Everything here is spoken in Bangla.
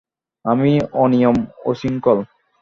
আমি অনিয়ম, উচ্ছৃঙ্খল।